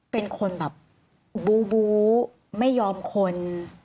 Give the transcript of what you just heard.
เป็นคนแบบบูไม่ยอมคน